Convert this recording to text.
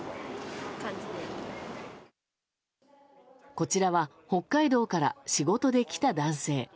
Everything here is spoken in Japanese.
こちらは北海道から仕事で来た男性。